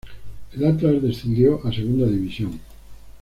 El Atlas descendió a Segunda División.